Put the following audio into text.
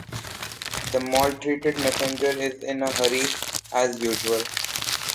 The maltreated messenger is in a hurry as usual.